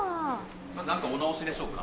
何かお直しでしょうか？